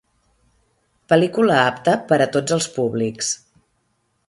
Pel·lícula apta per a tots els públics.